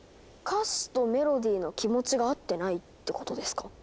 歌詞とメロディーの気持ちが合ってないってことですか？